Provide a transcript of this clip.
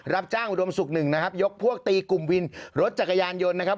รับจ้างอุดมศุกร์๑ยกพวกตีกลุ่มวินรถจักรยานยนต์นะครับ